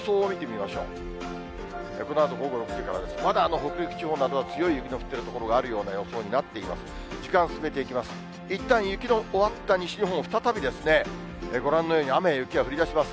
まだ北陸地方などは、強い雪の降っている所があるような予想になっています。